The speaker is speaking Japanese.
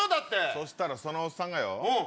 そしたらそのおっさんがよ。うん。